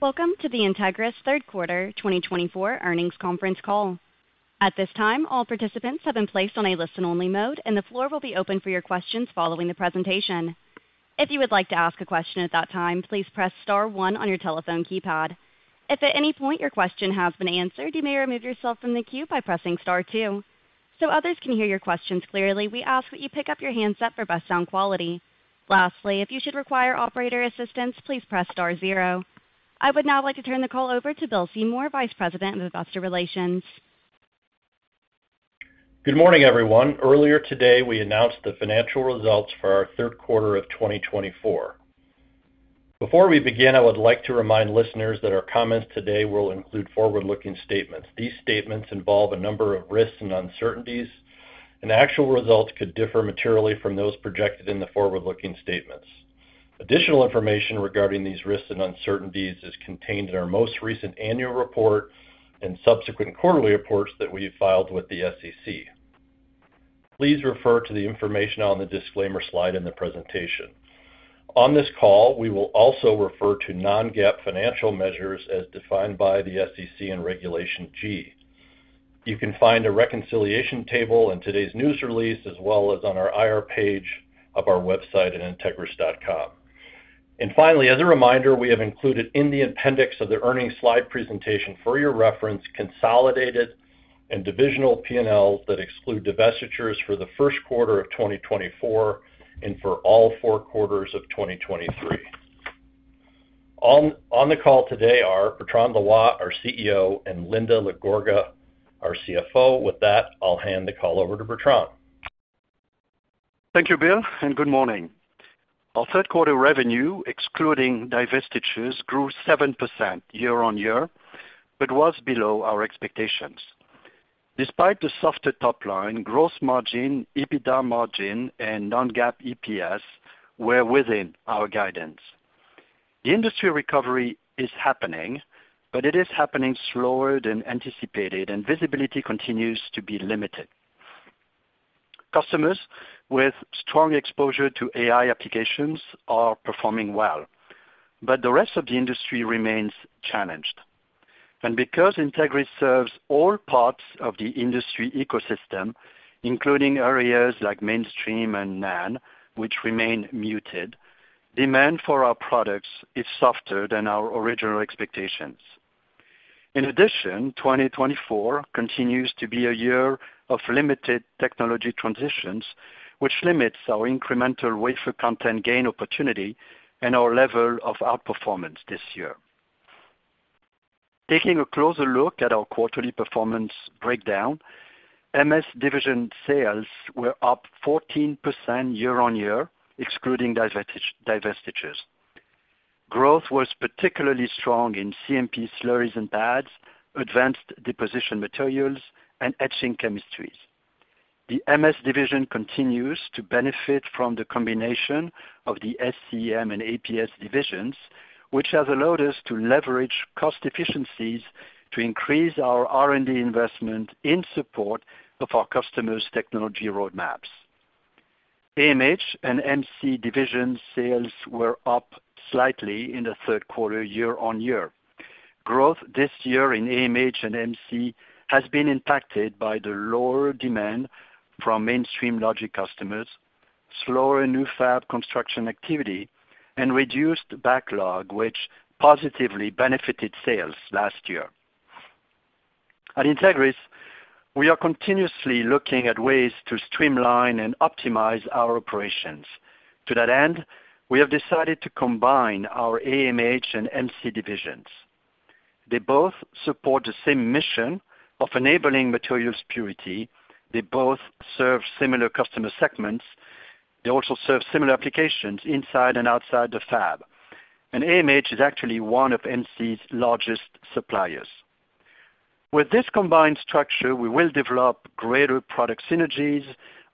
Welcome to the Entegris third quarter 2024 earnings conference call. At this time, all participants have been placed on a listen-only mode, and the floor will be open for your questions following the presentation. If you would like to ask a question at that time, please press star one on your telephone keypad. If at any point your question has been answered, you may remove yourself from the queue by pressing star two. So others can hear your questions clearly, we ask that you pick up your handset for best sound quality. Lastly, if you should require operator assistance, please press star zero. I would now like to turn the call over to Bill Seymour, Vice President of Investor Relations. Good morning, everyone. Earlier today, we announced the financial results for our third quarter of 2024. Before we begin, I would like to remind listeners that our comments today will include forward-looking statements. These statements involve a number of risks and uncertainties, and actual results could differ materially from those projected in the forward-looking statements. Additional information regarding these risks and uncertainties is contained in our most recent annual report and subsequent quarterly reports that we have filed with the SEC. Please refer to the information on the disclaimer slide in the presentation. On this call, we will also refer to non-GAAP financial measures as defined by the SEC in Regulation G. You can find a reconciliation table in today's news release, as well as on our IR page of our website at entegris.com. And finally, as a reminder, we have included in the appendix of the earnings slide presentation for your reference consolidated and divisional P&Ls that exclude divestitures for the first quarter of 2024 and for all four quarters of 2023. On the call today are Bertrand Loy, our CEO, and Linda LaGorga, our CFO. With that, I'll hand the call over to Bertrand. Thank you, Bill, and good morning. Our third quarter revenue, excluding divestitures, grew 7% year on year, but was below our expectations. Despite the softer top line, gross margin, EBITDA margin, and non-GAAP EPS were within our guidance. The industry recovery is happening, but it is happening slower than anticipated, and visibility continues to be limited. Customers with strong exposure to AI applications are performing well, but the rest of the industry remains challenged, and because Entegris serves all parts of the industry ecosystem, including areas like mainstream and NAND, which remain muted, demand for our products is softer than our original expectations. In addition, 2024 continues to be a year of limited technology transitions, which limits our incremental wafer content gain opportunity and our level of outperformance this year. Taking a closer look at our quarterly performance breakdown, MS division sales were up 14% year on year, excluding divestitures. Growth was particularly strong in CMP slurries and pads, advanced deposition materials, and etching chemistries. The MS division continues to benefit from the combination of the SCEM and APS divisions, which has allowed us to leverage cost efficiencies to increase our R&D investment in support of our customers' technology roadmaps. AMH and MC division sales were up slightly in the third quarter year on year. Growth this year in AMH and MC has been impacted by the lower demand from mainstream logic customers, slower new fab construction activity, and reduced backlog, which positively benefited sales last year. At Entegris, we are continuously looking at ways to streamline and optimize our operations. To that end, we have decided to combine our AMH and MC divisions. They both support the same mission of enabling materials purity. They both serve similar customer segments. They also serve similar applications inside and outside the fab. AMH is actually one of MC's largest suppliers. With this combined structure, we will develop greater product synergies,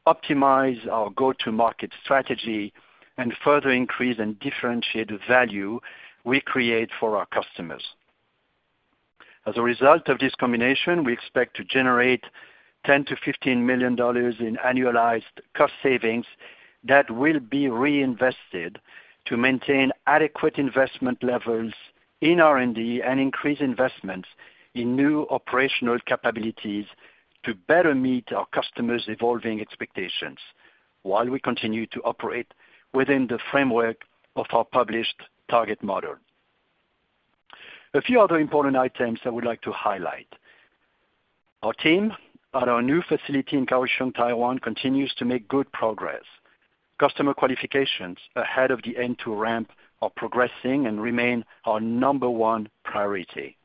optimize our go-to-market strategy, and further increase and differentiate the value we create for our customers. As a result of this combination, we expect to generate $10 million-$15 million in annualized cost savings that will be reinvested to maintain adequate investment levels in R&D and increase investments in new operational capabilities to better meet our customers' evolving expectations while we continue to operate within the framework of our published target model. A few other important items I would like to highlight. Our team at our new facility in Kaohsiung, Taiwan, continues to make good progress. Customer qualifications ahead of the end-to-ramp are progressing and remain our number one priority.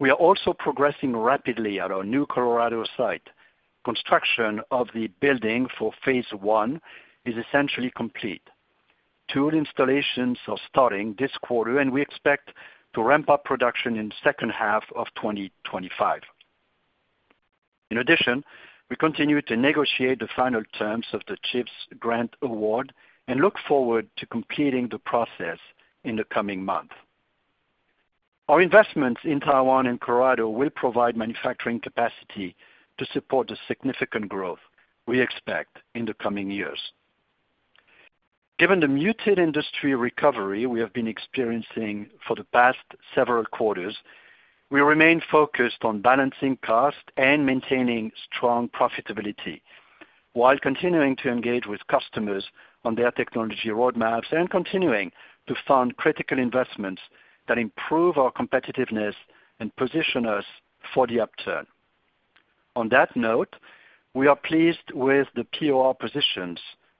We are also progressing rapidly at our new Colorado site. Construction of the building for phase one is essentially complete. Tool installations are starting this quarter, and we expect to ramp up production in the second half of 2025. In addition, we continue to negotiate the final terms of the CHIPS grant award and look forward to completing the process in the coming month. Our investments in Taiwan and Colorado will provide manufacturing capacity to support the significant growth we expect in the coming years. Given the muted industry recovery we have been experiencing for the past several quarters, we remain focused on balancing cost and maintaining strong profitability while continuing to engage with customers on their technology roadmaps and continuing to fund critical investments that improve our competitiveness and position us for the upturn. On that note, we are pleased with the POR positions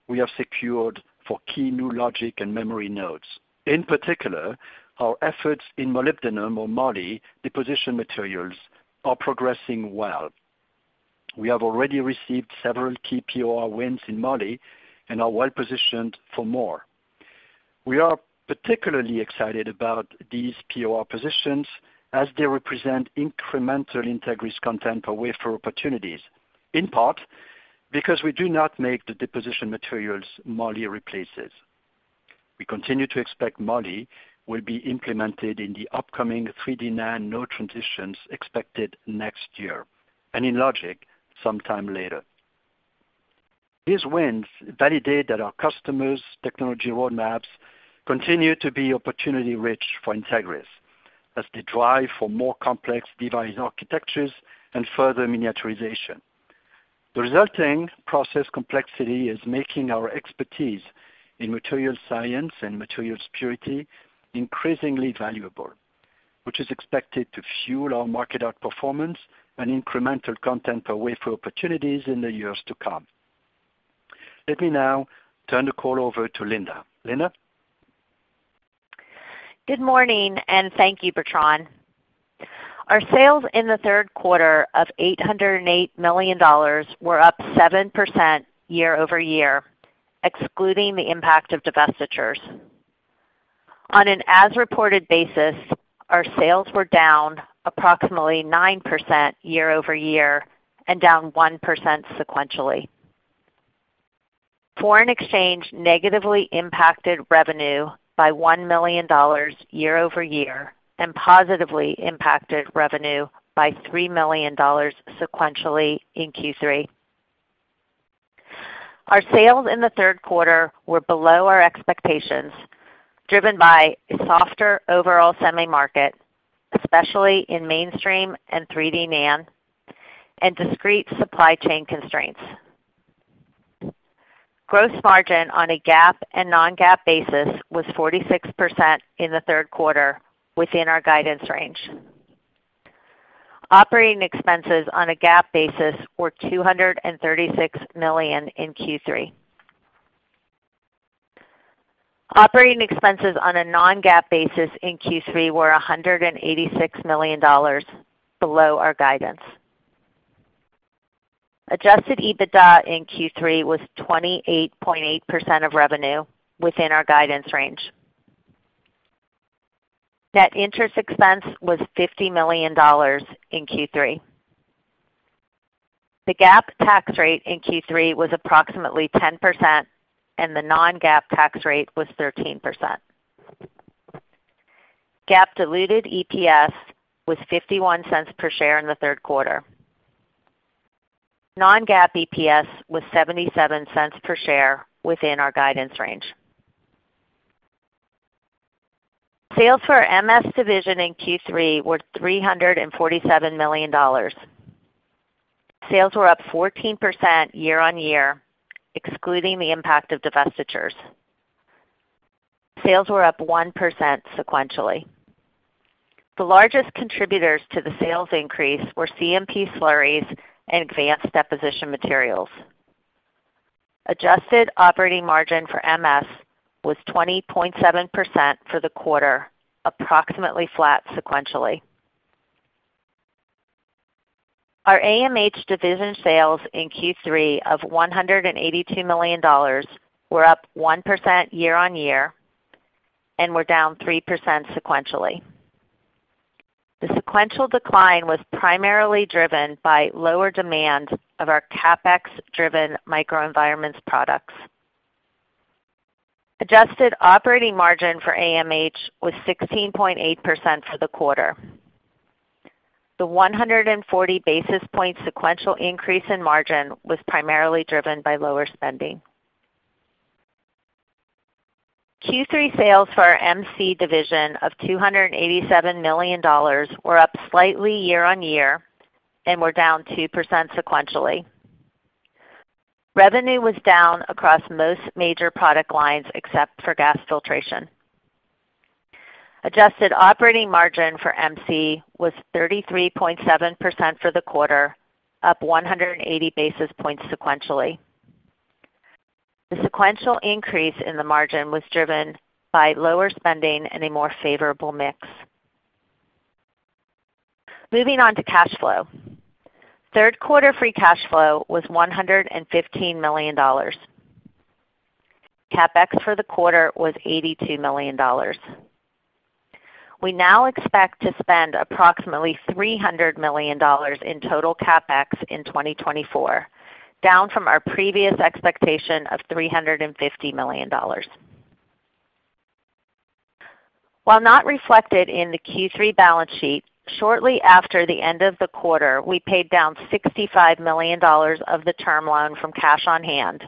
we have secured for key new logic and memory nodes. In particular, our efforts in Molybdenum or Moly deposition materials are progressing well. We have already received several key POR wins in Moly and are well positioned for more. We are particularly excited about these POR positions as they represent incremental integrity content for wafer opportunities, in part because we do not make the deposition materials Moly replaces. We continue to expect Moly will be implemented in the upcoming 3D NAND node transitions expected next year and in logic sometime later. These wins validate that our customers' technology roadmaps continue to be opportunity-rich for Entegris as they drive for more complex device architectures and further miniaturization. The resulting process complexity is making our expertise in materials science and materials purity increasingly valuable, which is expected to fuel our market outperformance and incremental content for wafer opportunities in the years to come. Let me now turn the call over to Linda. Linda. Good morning, and thank you, Bertrand. Our sales in the third quarter of $808 million were up 7% year over year, excluding the impact of divestitures. On an as-reported basis, our sales were down approximately 9% year over year and down 1% sequentially. Foreign exchange negatively impacted revenue by $1 million year over year and positively impacted revenue by $3 million sequentially in Q3. Our sales in the third quarter were below our expectations, driven by a softer overall semi-market, especially in mainstream and 3D NAND, and discrete supply chain constraints. Gross margin on a GAAP and non-GAAP basis was 46% in the third quarter, within our guidance range. Operating expenses on a GAAP basis were $236 million in Q3. Operating expenses on a non-GAAP basis in Q3 were $186 million below our guidance. Adjusted EBITDA in Q3 was 28.8% of revenue, within our guidance range. Net interest expense was $50 million in Q3. The GAAP tax rate in Q3 was approximately 10%, and the non-GAAP tax rate was 13%. GAAP diluted EPS was $0.51 per share in the third quarter. Non-GAAP EPS was $0.77 per share, within our guidance range. Sales for MS division in Q3 were $347 million. Sales were up 14% year on year, excluding the impact of divestitures. Sales were up 1% sequentially. The largest contributors to the sales increase were CMP slurries and advanced deposition materials. Adjusted operating margin for MS was 20.7% for the quarter, approximately flat sequentially. Our AMH division sales in Q3 of $182 million were up 1% year on year and were down 3% sequentially. The sequential decline was primarily driven by lower demand of our CapEx-driven microenvironments products. Adjusted operating margin for AMH was 16.8% for the quarter. The 140 basis point sequential increase in margin was primarily driven by lower spending. Q3 sales for our MC division of $287 million were up slightly year on year and were down 2% sequentially. Revenue was down across most major product lines except for gas filtration. Adjusted operating margin for MC was 33.7% for the quarter, up 180 basis points sequentially. The sequential increase in the margin was driven by lower spending and a more favorable mix. Moving on to cash flow. Third quarter free cash flow was $115 million. CapEx for the quarter was $82 million. We now expect to spend approximately $300 million in total CapEx in 2024, down from our previous expectation of $350 million. While not reflected in the Q3 balance sheet, shortly after the end of the quarter, we paid down $65 million of the term loan from cash on hand,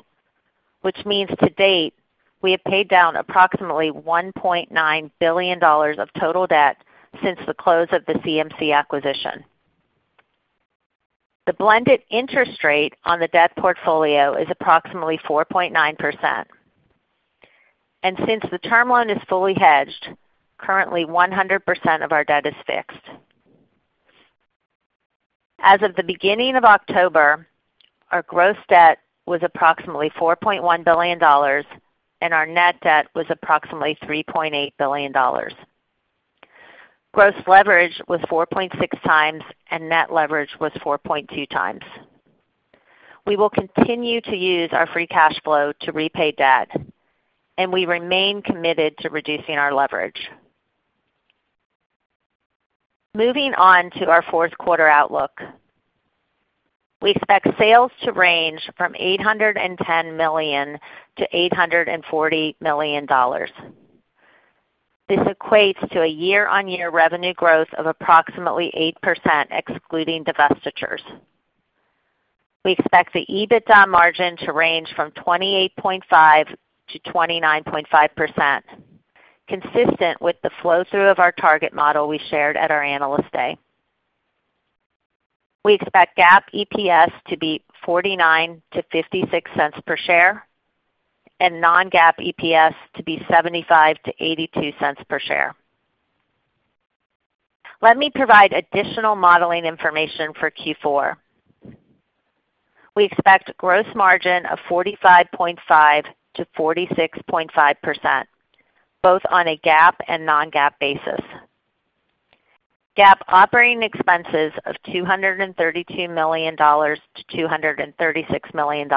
which means to date we have paid down approximately $1.9 billion of total debt since the close of the CMC acquisition. The blended interest rate on the debt portfolio is approximately 4.9%, and since the term loan is fully hedged, currently 100% of our debt is fixed. As of the beginning of October, our gross debt was approximately $4.1 billion, and our net debt was approximately $3.8 billion. Gross leverage was 4.6 times, and net leverage was 4.2 times. We will continue to use our free cash flow to repay debt, and we remain committed to reducing our leverage. Moving on to our fourth quarter outlook, we expect sales to range from $810 million-$840 million. This equates to a year-on-year revenue growth of approximately 8%, excluding divestitures. We expect the EBITDA margin to range from 28.5%-29.5%, consistent with the flow-through of our target model we shared at our analyst day. We expect GAAP EPS to be $0.49-$0.56 per share and non-GAAP EPS to be $0.75-$0.82 per share. Let me provide additional modeling information for Q4. We expect gross margin of 45.5%-46.5%, both on a GAAP and non-GAAP basis. GAAP operating expenses of $232 million-$236 million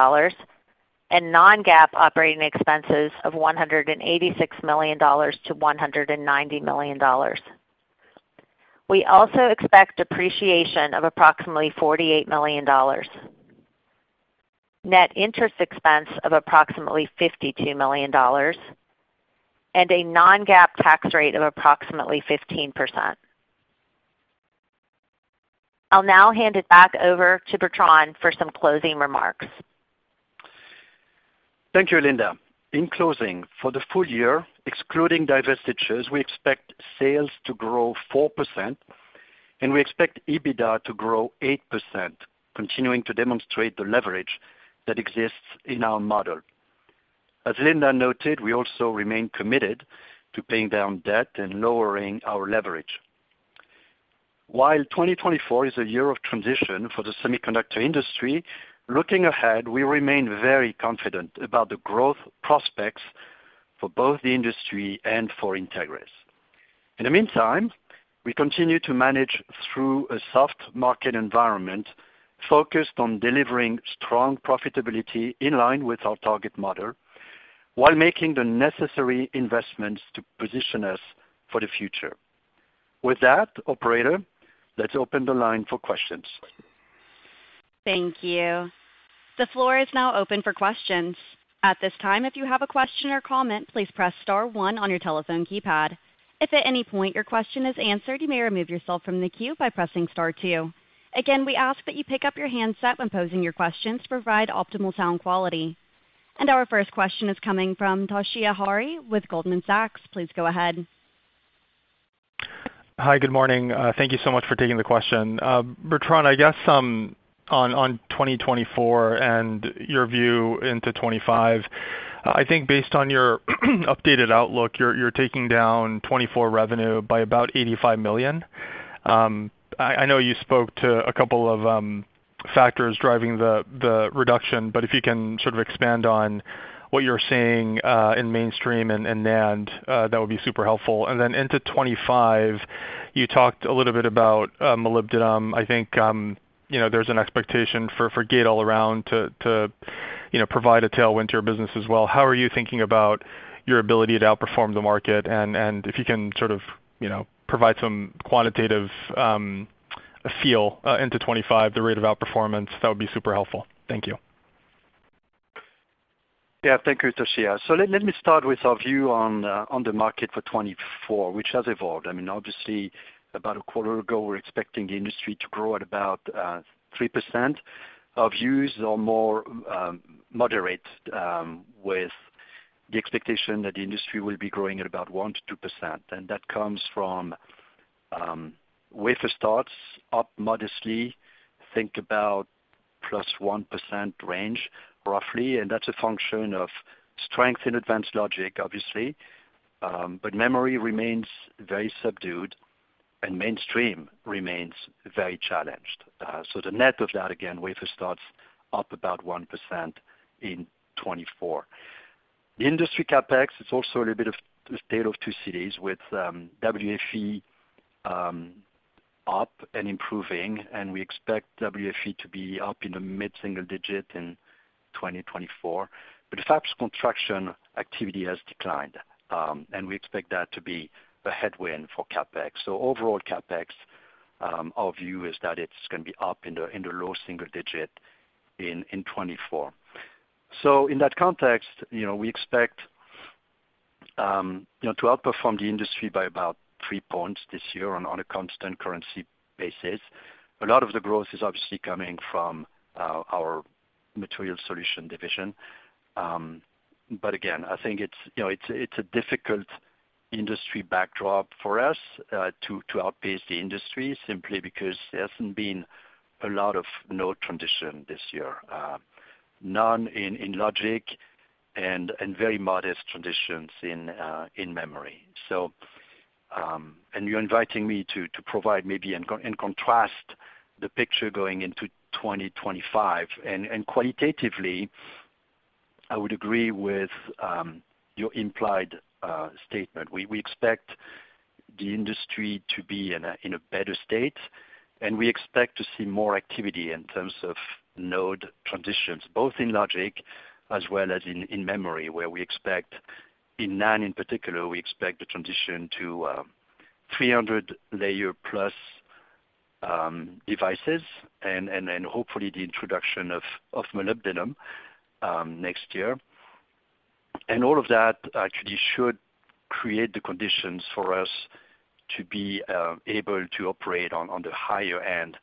and non-GAAP operating expenses of $186 million-$190 million. We also expect depreciation of approximately $48 million, net interest expense of approximately $52 million, and a non-GAAP tax rate of approximately 15%. I'll now hand it back over to Bertrand for some closing remarks. Thank you, Linda. In closing, for the full year, excluding divestitures, we expect sales to grow 4%, and we expect EBITDA to grow 8%, continuing to demonstrate the leverage that exists in our model. As Linda noted, we also remain committed to paying down debt and lowering our leverage. While 2024 is a year of transition for the semiconductor industry, looking ahead, we remain very confident about the growth prospects for both the industry and for Entegris. In the meantime, we continue to manage through a soft market environment focused on delivering strong profitability in line with our target model while making the necessary investments to position us for the future. With that, operator, let's open the line for questions. Thank you. The floor is now open for questions. At this time, if you have a question or comment, please press star one on your telephone keypad. If at any point your question is answered, you may remove yourself from the queue by pressing star two. Again, we ask that you pick up your handset when posing your questions to provide optimal sound quality. Our first question is coming from Toshiya Hari with Goldman Sachs. Please go ahead. Hi, good morning. Thank you so much for taking the question. Bertrand, I guess on 2024 and your view into 2025, I think based on your updated outlook, you're taking down 2024 revenue by about $85 million. I know you spoke to a couple of factors driving the reduction, but if you can sort of expand on what you're seeing in mainstream and NAND, that would be super helpful. And then into 2025, you talked a little bit about molybdenum. I think there's an expectation for Gate All Around to provide a tailwind to your business as well. How are you thinking about your ability to outperform the market? And if you can sort of provide some quantitative feel into 2025, the rate of outperformance, that would be super helpful. Thank you. Yeah, thank you, Toshiya. So let me start with our view on the market for 2024, which has evolved. I mean, obviously, about a quarter ago, we're expecting the industry to grow at about 3%. Our views are more moderate with the expectation that the industry will be growing at about 1%-2%. And that comes from wafer starts, up modestly, think about plus 1% range, roughly. And that's a function of strength in advanced logic, obviously. But memory remains very subdued, and mainstream remains very challenged. So the net of that, again, wafer starts, up about 1% in 2024. The industry CapEx, it's also a little bit of the tale of two cities with WFE up and improving, and we expect WFE to be up in the mid-single digit in 2024. But the fabs construction activity has declined, and we expect that to be a headwind for CapEx. Overall, CapEx, our view is that it's going to be up in the low single-digit in 2024. In that context, we expect to outperform the industry by about three points this year on a constant currency basis. A lot of the growth is obviously coming from our Materials Solutions division. But again, I think it's a difficult industry backdrop for us to outpace the industry simply because there hasn't been a lot of node transition this year, none in logic, and very modest transitions in memory. You're inviting me to provide maybe a contrast the picture going into 2025. Qualitatively, I would agree with your implied statement. We expect the industry to be in a better state, and we expect to see more activity in terms of node transitions, both in logic as well as in memory, where we expect in NAND in particular, we expect the transition to 300-layer plus devices and then hopefully the introduction of molybdenum next year, and all of that actually should create the conditions for us to be able to operate on the higher end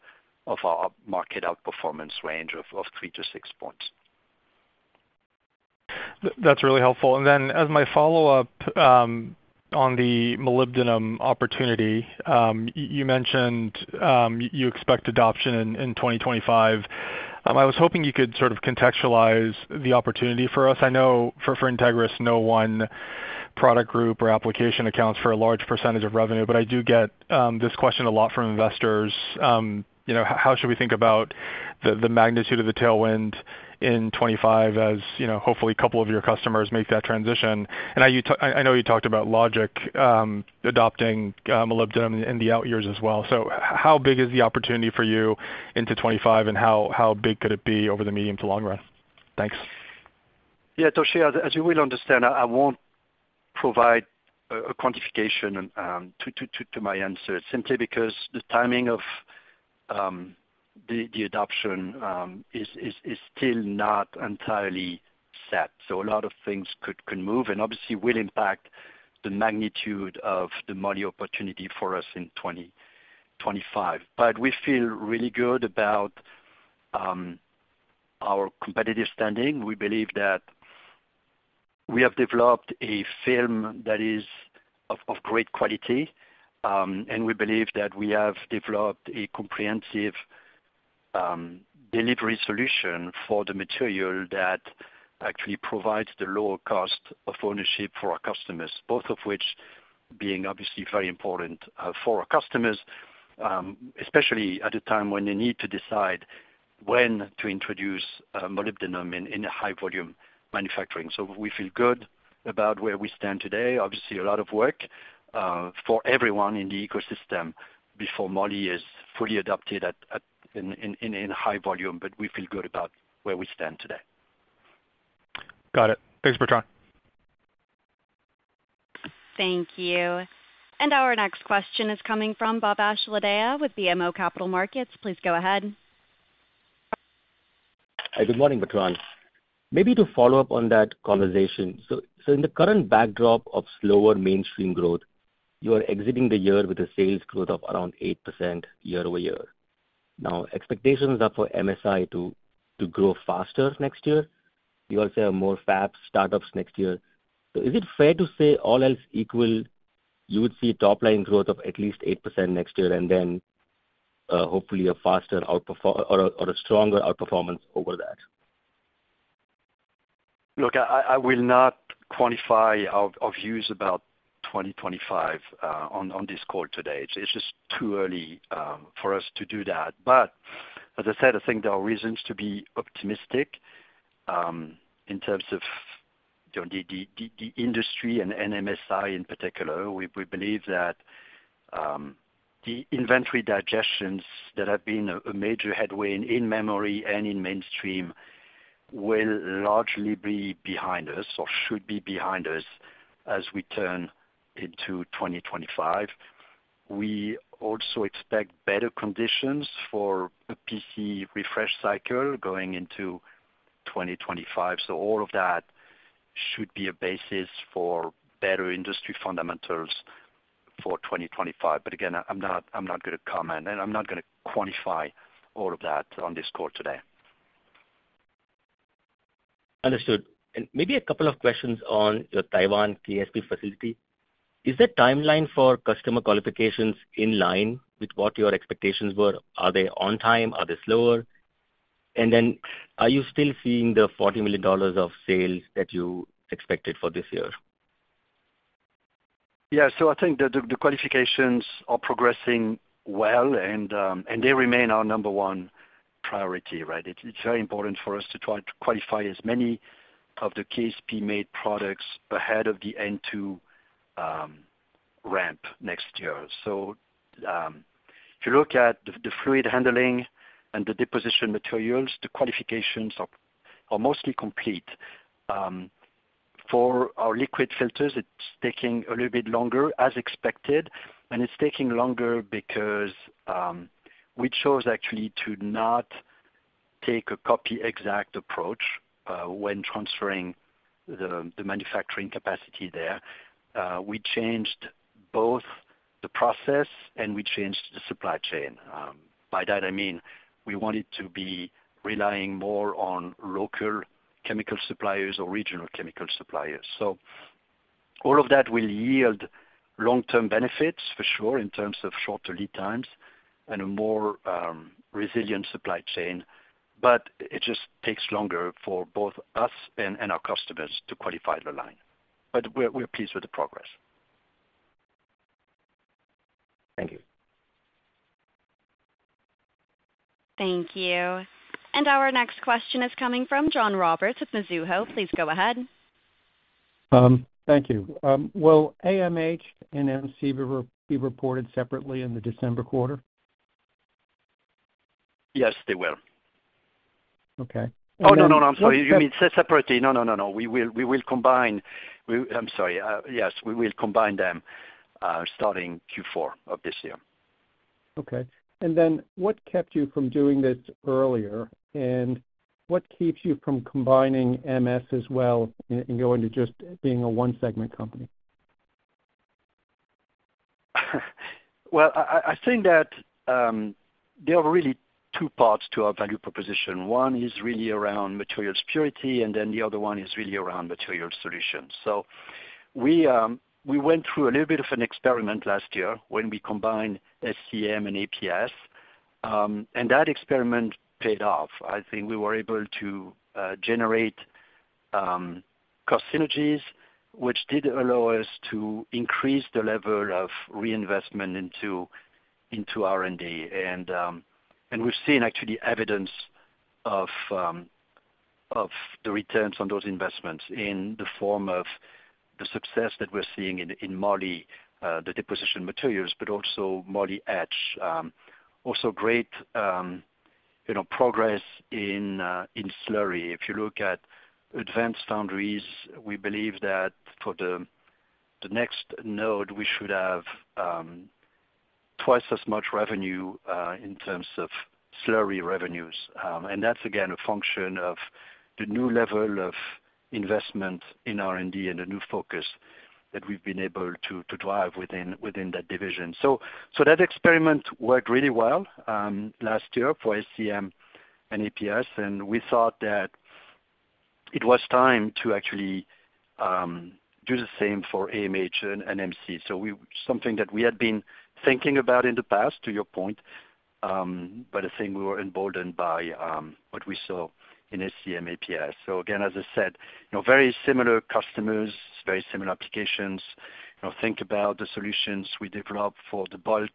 of our market outperformance range of three to six points. That's really helpful. And then as my follow-up on the molybdenum opportunity, you mentioned you expect adoption in 2025. I was hoping you could sort of contextualize the opportunity for us. I know for Entegris, no one product group or application accounts for a large percentage of revenue, but I do get this question a lot from investors. How should we think about the magnitude of the tailwind in 2025 as hopefully a couple of your customers make that transition? And I know you talked about logic adopting molybdenum in the out years as well. So how big is the opportunity for you into 2025, and how big could it be over the medium to long run? Thanks. Yeah, Toshiya, as you will understand, I won't provide a quantification to my answer simply because the timing of the adoption is still not entirely set. So a lot of things can move and obviously will impact the magnitude of the money opportunity for us in 2025. But we feel really good about our competitive standing. We believe that we have developed a film that is of great quality, and we believe that we have developed a comprehensive delivery solution for the material that actually provides the lower cost of ownership for our customers, both of which being obviously very important for our customers, especially at a time when they need to decide when to introduce molybdenum in high-volume manufacturing. So we feel good about where we stand today. Obviously, a lot of work for everyone in the ecosystem before Moly is fully adopted in high volume, but we feel good about where we stand today. Got it. Thanks, Bertrand. Thank you. And our next question is coming from Bhavesh Lodaya with BMO Capital Markets. Please go ahead. Hi, good morning, Bertrand. Maybe to follow up on that conversation. So in the current backdrop of slower mainstream growth, you are exiting the year with a sales growth of around 8% year over year. Now, expectations are for MS to grow faster next year. You also have more fabs startups next year. So is it fair to say all else equal, you would see top-line growth of at least 8% next year and then hopefully a faster outperform or a stronger outperformance over that? Look, I will not quantify our views about 2025 on this call today. It's just too early for us to do that. But as I said, I think there are reasons to be optimistic in terms of the industry and MS in particular. We believe that the inventory digestions that have been a major headwind in memory and in mainstream will largely be behind us or should be behind us as we turn into 2025. We also expect better conditions for a PC refresh cycle going into 2025. So all of that should be a basis for better industry fundamentals for 2025. But again, I'm not going to comment, and I'm not going to quantify all of that on this call today. Understood. And maybe a couple of questions on your Taiwan KSP facility. Is the timeline for customer qualifications in line with what your expectations were? Are they on time? Are they slower? And then are you still seeing the $40 million of sales that you expected for this year? Yeah. So I think the qualifications are progressing well, and they remain our number one priority, right? It's very important for us to try to qualify as many of the KSP-made products ahead of the N2 ramp next year. So if you look at the fluid handling and the deposition materials, the qualifications are mostly complete. For our liquid filters, it's taking a little bit longer as expected, and it's taking longer because we chose actually to not take a copy-exact approach when transferring the manufacturing capacity there. We changed both the process, and we changed the supply chain. By that, I mean we wanted to be relying more on local chemical suppliers or regional chemical suppliers. So all of that will yield long-term benefits for sure in terms of shorter lead times and a more resilient supply chain. But it just takes longer for both us and our customers to qualify the line. But we're pleased with the progress. Thank you. Thank you. And our next question is coming from John Roberts of Mizuho. Please go ahead. Thank you. Will AMH and MC be reported separately in the December quarter? Yes, they will. Okay. Oh, no, no, no. I'm sorry. You mean separately? No, no, no, no. We will combine. I'm sorry. Yes, we will combine them starting Q4 of this year. Okay, and then what kept you from doing this earlier, and what keeps you from combining MS as well and going to just being a one-segment company? I think that there are really two parts to our value proposition. One is really around material security, and then the other one is really around material solutions. So we went through a little bit of an experiment last year when we combined SCM and APS, and that experiment paid off. I think we were able to generate cost synergies, which did allow us to increase the level of reinvestment into R&D. And we've seen actually evidence of the returns on those investments in the form of the success that we're seeing in Moly, the deposition materials, but also Moly Etch. Also great progress in slurry. If you look at advanced foundries, we believe that for the next node, we should have twice as much revenue in terms of slurry revenues. And that's, again, a function of the new level of investment in R&D and the new focus that we've been able to drive within that division. So that experiment worked really well last year for SCEM and APS, and we thought that it was time to actually do the same for AMH and MC. So something that we had been thinking about in the past, to your point, but I think we were emboldened by what we saw in SCEM, APS. So again, as I said, very similar customers, very similar applications. Think about the solutions we develop for the bulk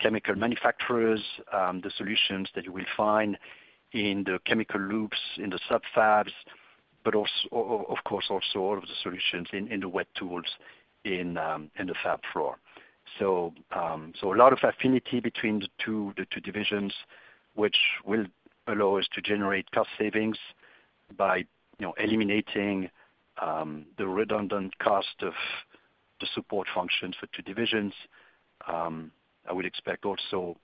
chemical manufacturers, the solutions that you will find in the chemical loops in the sub-fabs, but of course, also all of the solutions in the wet tools in the fab floor. So a lot of affinity between the two divisions, which will allow us to generate cost savings by eliminating the redundant cost of the support functions for two divisions. I would expect also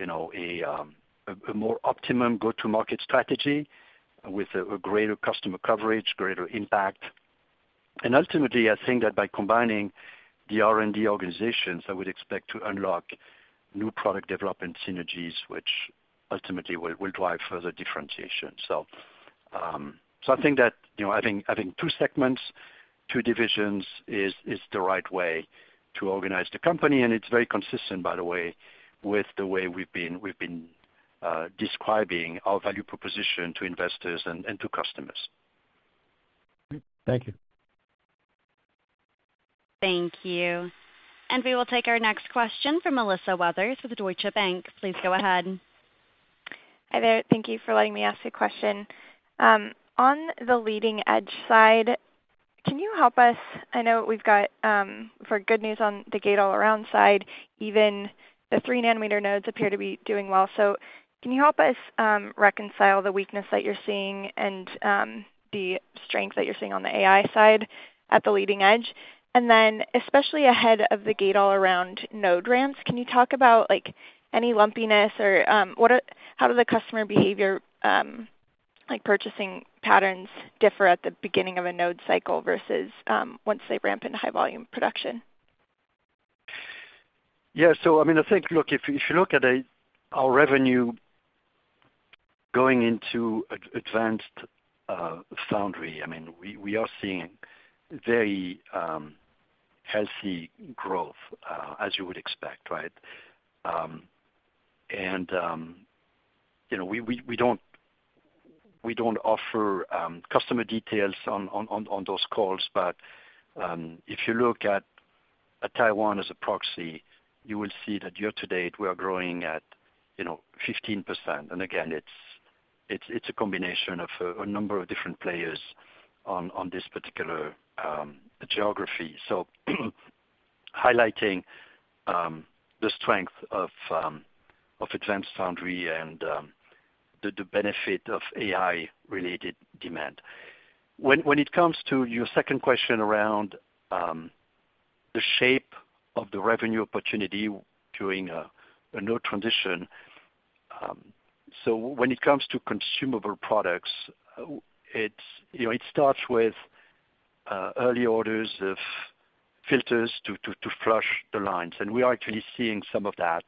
a more optimum go-to-market strategy with a greater customer coverage, greater impact. And ultimately, I think that by combining the R&D organizations, I would expect to unlock new product development synergies, which ultimately will drive further differentiation. So I think that having two segments, two divisions is the right way to organize the company. And it's very consistent, by the way, with the way we've been describing our value proposition to investors and to customers. Thank you. Thank you. And we will take our next question from Melissa Weathers with Deutsche Bank. Please go ahead. Hi there. Thank you for letting me ask a question. On the leading-edge side, can you help us? I know we've got good news on the gate all-around side. Even the three-nanometer nodes appear to be doing well. So can you help us reconcile the weakness that you're seeing and the strength that you're seeing on the AI side at the leading edge? And then especially ahead of the gate all-around node ramps, can you talk about any lumpiness or how do the customer behavior purchasing patterns differ at the beginning of a node cycle versus once they ramp into high-volume production? Yeah. So I mean, I think, look, if you look at our revenue going into advanced foundry, I mean, we are seeing very healthy growth as you would expect, right, and we don't offer customer details on those calls, but if you look at Taiwan as a proxy, you will see that year to date, we are growing at 15%. And again, it's a combination of a number of different players on this particular geography, so highlighting the strength of advanced foundry and the benefit of AI-related demand. When it comes to your second question around the shape of the revenue opportunity during a node transition, so when it comes to consumable products, it starts with early orders of filters to flush the lines. We are actually seeing some of that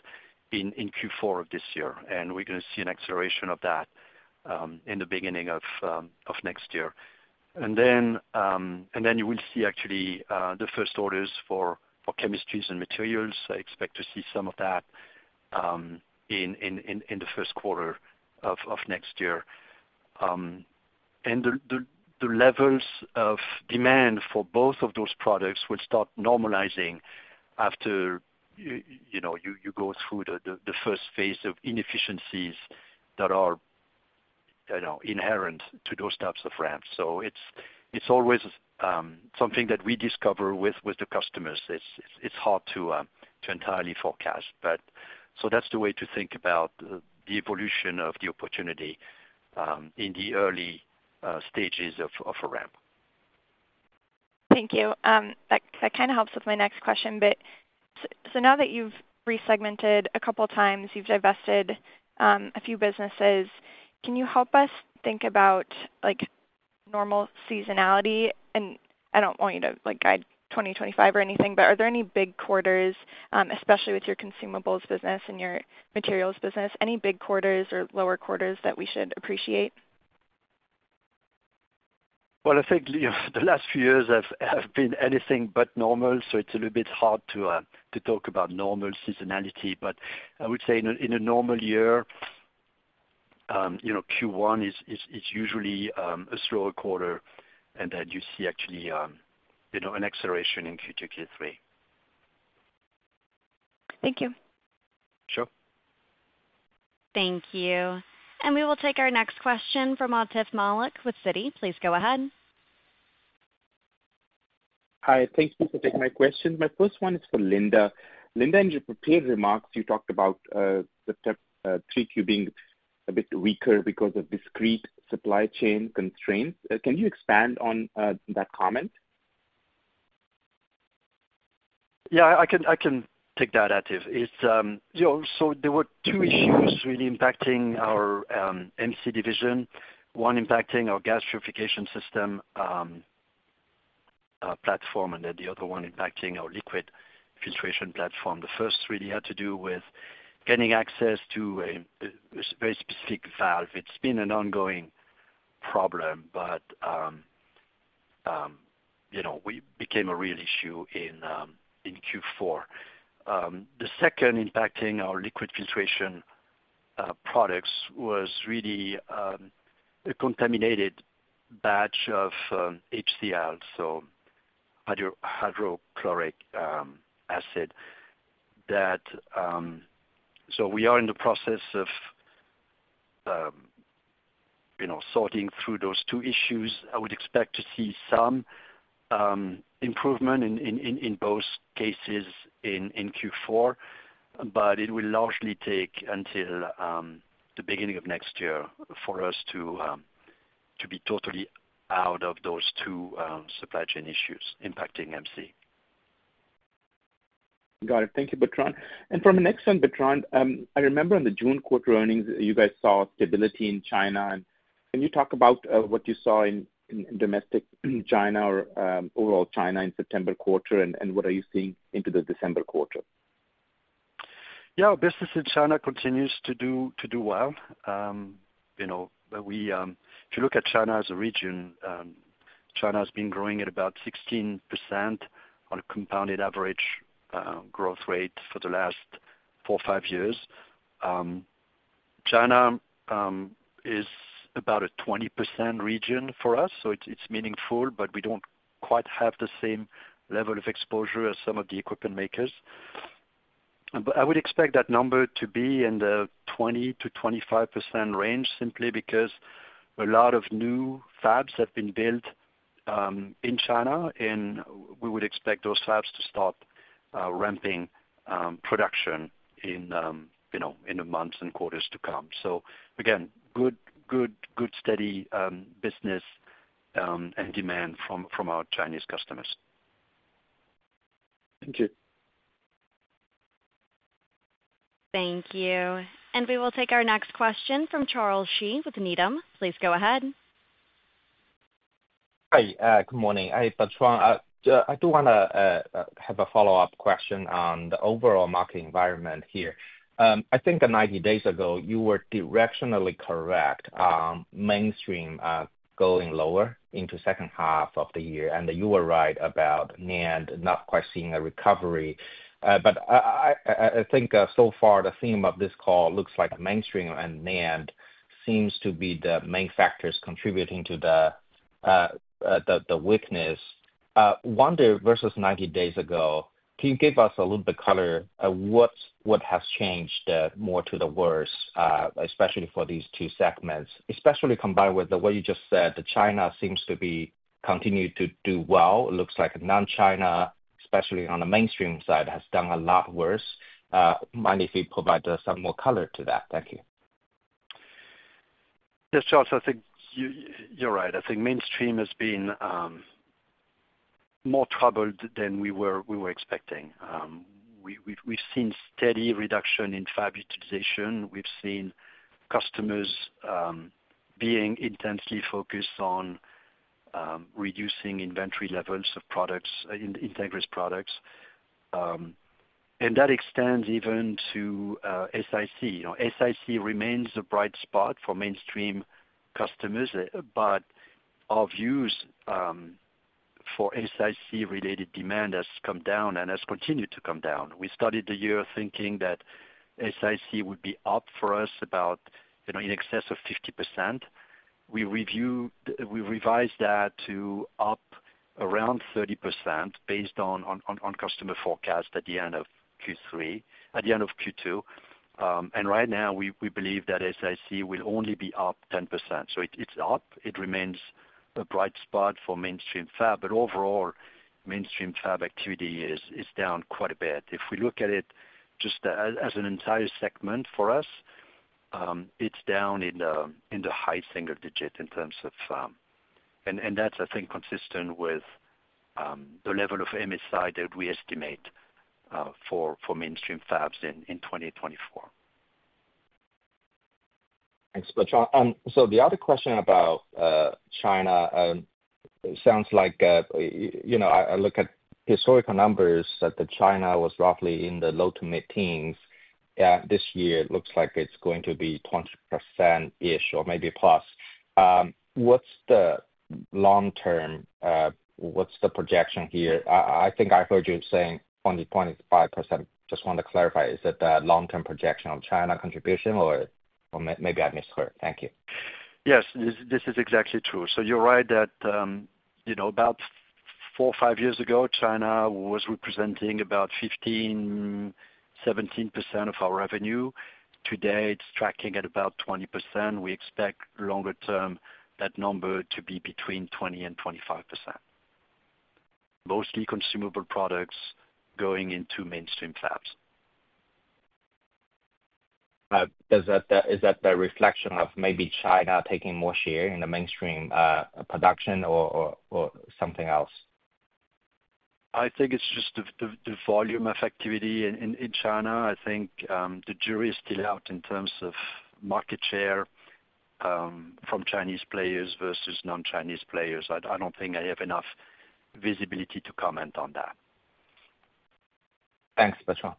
in Q4 of this year, and we're going to see an acceleration of that in the beginning of next year. Then you will see actually the first orders for chemistries and materials. I expect to see some of that in the first quarter of next year. The levels of demand for both of those products will start normalizing after you go through the first phase of inefficiencies that are inherent to those types of ramps. It's always something that we discover with the customers. It's hard to entirely forecast. But that's the way to think about the evolution of the opportunity in the early stages of a ramp. Thank you. That kind of helps with my next question. So now that you've resegmented a couple of times, you've divested a few businesses, can you help us think about normal seasonality? And I don't want you to guide 2025 or anything, but are there any big quarters, especially with your consumables business and your materials business, any big quarters or lower quarters that we should appreciate? I think the last few years have been anything but normal, so it's a little bit hard to talk about normal seasonality. I would say in a normal year, Q1 is usually a slower quarter, and then you see actually an acceleration in Q2, Q3. Thank you. Sure. Thank you. And we will take our next question from Atif Malik with Citi. Please go ahead. Hi. Thank you for taking my question. My first one is for Linda. Linda, in your prepared remarks, you talked about the 3Q being a bit weaker because of discrete supply chain constraints. Can you expand on that comment? Yeah, I can take that, Atif. So there were two issues really impacting our MC division, one impacting our gas purification system platform, and then the other one impacting our liquid filtration platform. The first really had to do with getting access to a very specific valve. It's been an ongoing problem, but it became a real issue in Q4. The second impacting our liquid filtration products was really a contaminated batch of HCl, so hydrochloric acid. So we are in the process of sorting through those two issues. I would expect to see some improvement in both cases in Q4, but it will largely take until the beginning of next year for us to be totally out of those two supply chain issues impacting MC. Got it. Thank you, Bertrand, and from the next one, Bertrand, I remember in the June quarter earnings, you guys saw stability in China. Can you talk about what you saw in domestic China or overall China in September quarter, and what are you seeing into the December quarter? Yeah. Business in China continues to do well. If you look at China as a region, China has been growing at about 16% on a compounded average growth rate for the last four, five years. China is about a 20% region for us, so it's meaningful, but we don't quite have the same level of exposure as some of the equipment makers. But I would expect that number to be in the 20%-25% range simply because a lot of new fabs have been built in China, and we would expect those fabs to start ramping production in the months and quarters to come. So again, good steady business and demand from our Chinese customers. Thank you. Thank you. And we will take our next question from Charles Shi with Needham. Please go ahead. Hi. Good morning. Hi, Bertrand. I do want to have a follow-up question on the overall market environment here. I think 90 days ago, you were directionally correct, mainstream going lower into the second half of the year, and you were right about NAND not quite seeing a recovery. But I think so far, the theme of this call looks like mainstream and NAND seems to be the main factors contributing to the weakness. One day versus 90 days ago, can you give us a little bit of color of what has changed more to the worse, especially for these two segments, especially combined with what you just said, that China seems to be continuing to do well. It looks like non-China, especially on the mainstream side, has done a lot worse. Mind if you provide some more color to that? Thank you. Yes, Charles. I think you're right. I think mainstream has been more troubled than we were expecting. We've seen steady reduction in fab utilization. We've seen customers being intensely focused on reducing inventory levels of integrated products. And that extends even to SiC. SiC remains a bright spot for mainstream customers, but our views for SiC-related demand have come down and have continued to come down. We started the year thinking that SiC would be up for us about in excess of 50%. We revised that to up around 30% based on customer forecast at the end of Q2. And right now, we believe that SiC will only be up 10%. So it's up. It remains a bright spot for mainstream fab, but overall, mainstream fab activity is down quite a bit. If we look at it just as an entire segment for us, it's down in the high single digit in terms of, and that's, I think, consistent with the level of MSI that we estimate for mainstream fabs in 2024. Thanks, Bertrand. So the other question about China, it sounds like I look at historical numbers that China was roughly in the low to mid-teens. This year, it looks like it's going to be 20%-ish or maybe plus. What's the long-term? What's the projection here? I think I heard you saying 20, 25%. Just want to clarify. Is that the long-term projection of China contribution, or maybe I misheard? Thank you. Yes, this is exactly true. So you're right that about four, five years ago, China was representing about 15%-17% of our revenue. Today, it's tracking at about 20%. We expect longer-term that number to be between 20% and 25%, mostly consumable products going into mainstream fabs. Is that the reflection of maybe China taking more share in the mainstream production or something else? I think it's just the volume of activity in China. I think the jury is still out in terms of market share from Chinese players versus non-Chinese players. I don't think I have enough visibility to comment on that. Thanks, Bertrand.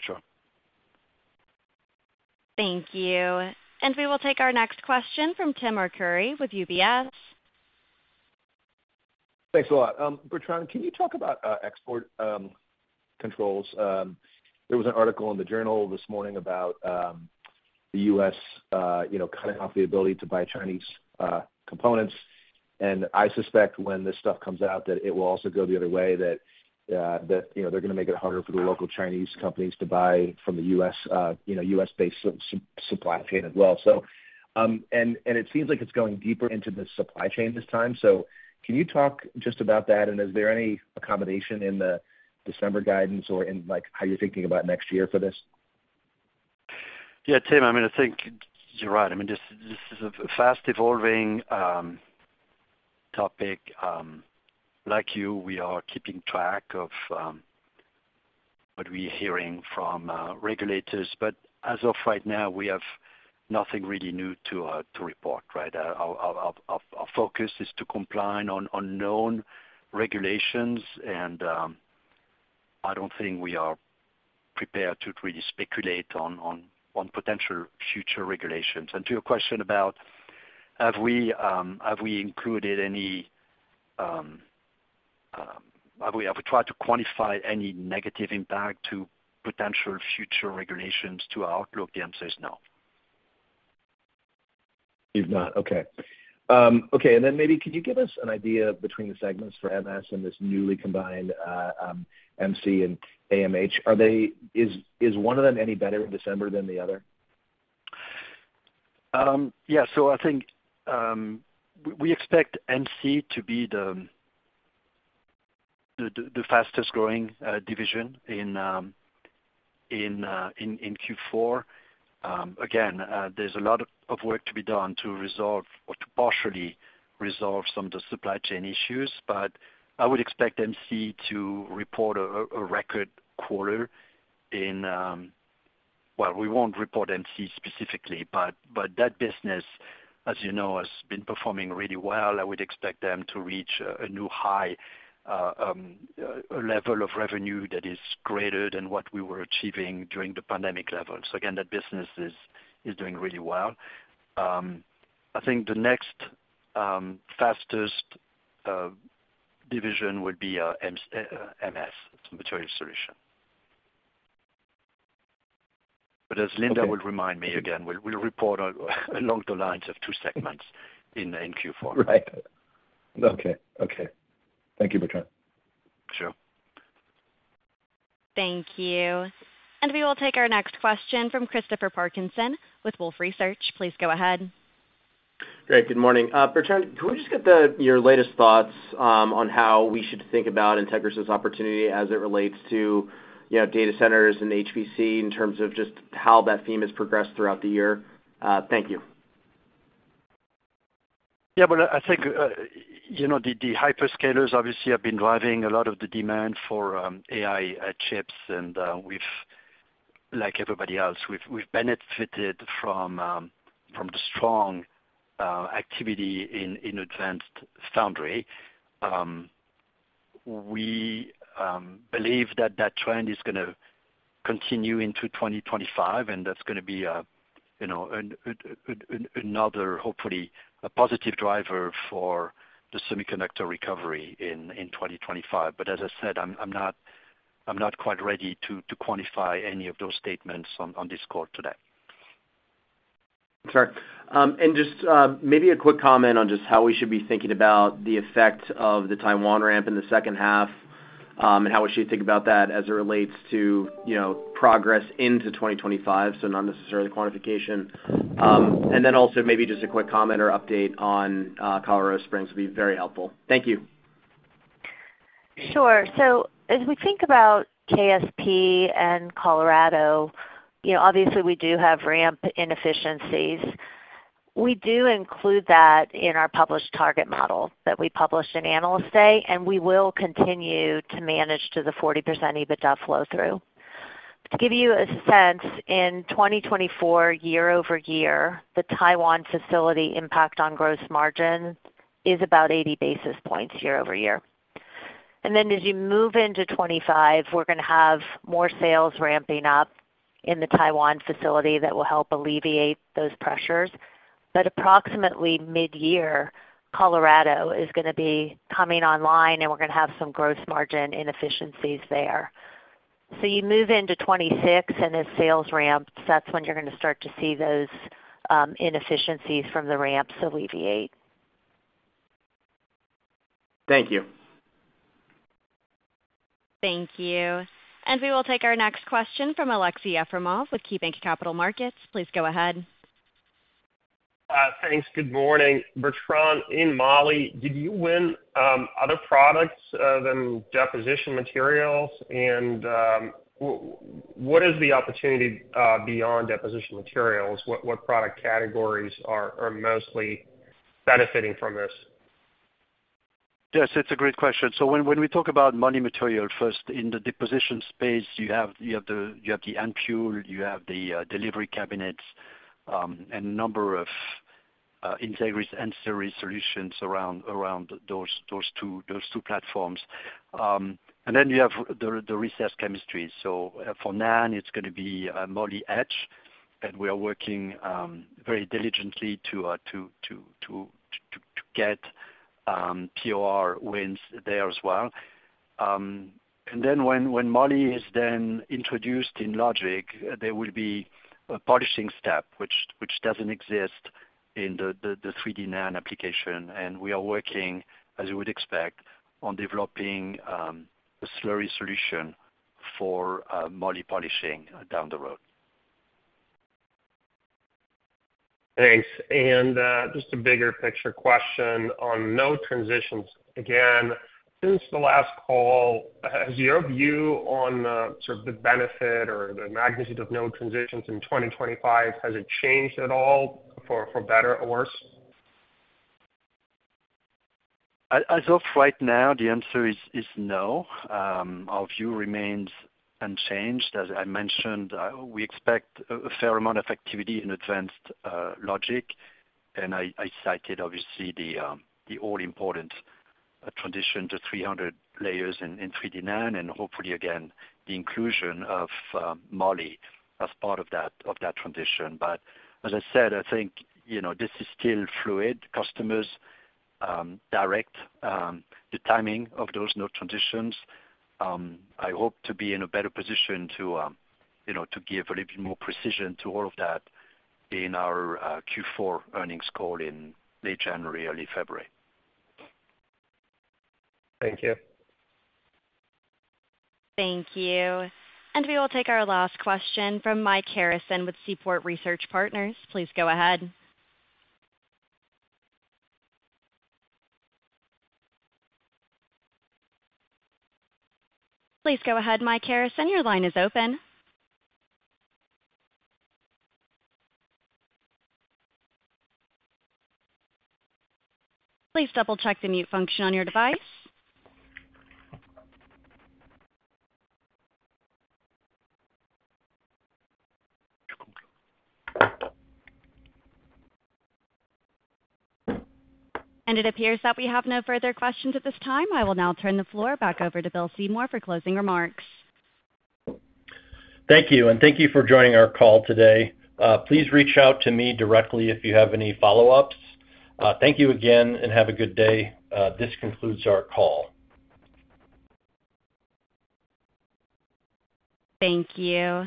Sure. Thank you. We will take our next question from Tim Arcuri with UBS. Thanks a lot. Bertrand, can you talk about export controls? There was an article in the Journal this morning about the U.S. cutting off the ability to buy Chinese components, and I suspect when this stuff comes out, that it will also go the other way, that they're going to make it harder for the local Chinese companies to buy from the U.S.-based supply chain as well, and it seems like it's going deeper into the supply chain this time, so can you talk just about that? And is there any accommodation in the December guidance or in how you're thinking about next year for this? Yeah, Tim, I mean, I think you're right. I mean, this is a fast-evolving topic. Like you, we are keeping track of what we're hearing from regulators. But as of right now, we have nothing really new to report, right? Our focus is to comply on known regulations, and I don't think we are prepared to really speculate on potential future regulations to your question about have we tried to quantify any negative impact to potential future regulations to our outlook? The answer is no. Maybe could you give us an idea between the segments for MS and this newly combined MC and AMH? Is one of them any better in December than the other? Yeah. So I think we expect MC to be the fastest-growing division in Q4. Again, there's a lot of work to be done to resolve or to partially resolve some of the supply chain issues, but I would expect MC to report a record quarter in, well, we won't report MC specifically, but that business, as you know, has been performing really well. I would expect them to reach a new high level of revenue that is greater than what we were achieving during the pandemic level. So again, that business is doing really well. I think the next fastest division would be MS, Materials Solutions. But as Linda will remind me again, we'll report along the lines of two segments in Q4. Right. Okay. Okay. Thank you, Bertrand. Sure. Thank you, and we will take our next question from Christopher Parkinson with Wolfe Research. Please go ahead. Great. Good morning. Bertrand, can we just get your latest thoughts on how we should think about Entegris's opportunity as it relates to data centers and HPC in terms of just how that theme has progressed throughout the year? Thank you. Yeah, well, I think the hyperscalers obviously have been driving a lot of the demand for AI chips, and like everybody else, we've benefited from the strong activity in advanced foundry. We believe that that trend is going to continue into 2025, and that's going to be another, hopefully, positive driver for the semiconductor recovery in 2025. But as I said, I'm not quite ready to quantify any of those statements on this call today. Sure. And just maybe a quick comment on just how we should be thinking about the effect of the Taiwan ramp in the second half and how we should think about that as it relates to progress into 2025, so not necessarily quantification. And then also maybe just a quick comment or update on Colorado Springs would be very helpful. Thank you. Sure. So as we think about KSP and Colorado, obviously, we do have ramp inefficiencies. We do include that in our published target model that we published in Analyst Day, and we will continue to manage to the 40% EBITDA flow-through. To give you a sense, in 2024, year over year, the Taiwan facility impact on gross margin is about 80 basis points year over year, and then as you move into 2025, we're going to have more sales ramping up in the Taiwan facility that will help alleviate those pressures, but approximately mid-year, Colorado is going to be coming online, and we're going to have some gross margin inefficiencies there, so you move into 2026, and as sales ramp, that's when you're going to start to see those inefficiencies from the ramps alleviate. Thank you. Thank you. And we will take our next question from Aleksey Yefremov with KeyBank Capital Markets. Please go ahead. Thanks. Good morning. Bertrand, in Moly, did you win other products than deposition materials? And what is the opportunity beyond deposition materials? What product categories are mostly benefiting from this? Yes, it's a great question. So when we talk about moly material first, in the deposition space, you have the Ampoule, you have the delivery cabinets, and a number of Entegris series solutions around those two platforms. And then you have the etching chemistry. So for NAND, it's going to be a Moly etch, and we are working very diligently to get POR wins there as well. And then when Moly is then introduced in logic, there will be a polishing step which doesn't exist in the 3D NAND application. And we are working, as you would expect, on developing a slurry solution for Moly polishing down the road. Thanks. And just a bigger picture question on node transitions. Again, since the last call, has your view on sort of the benefit or the magnitude of node transitions in 2025, has it changed at all for better or worse? As of right now, the answer is no. Our view remains unchanged. As I mentioned, we expect a fair amount of activity in advanced logic, and I cited, obviously, the all-important transition to 300 layers in 3D NAND and hopefully, again, the inclusion of Moly as part of that transition, but as I said, I think this is still fluid. Customers direct the timing of those node transitions. I hope to be in a better position to give a little bit more precision to all of that in our Q4 earnings call in late January, early February. Thank you. Thank you. And we will take our last question from Mike Harrison with Seaport Research Partners. Please go ahead. Please go ahead, Mike Harrison. Your line is open. Please double-check the mute function on your device. And it appears that we have no further questions at this time. I will now turn the floor back over to Bill Seymour for closing remarks. Thank you. And thank you for joining our call today. Please reach out to me directly if you have any follow-ups. Thank you again, and have a good day. This concludes our call. Thank you.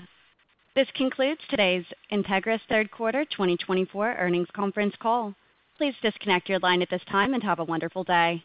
This concludes today's Entegris third quarter 2024 earnings conference call. Please disconnect your line at this time and have a wonderful day.